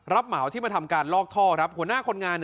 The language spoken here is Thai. เหมาที่มาทำการลอกท่อครับหัวหน้าคนงาน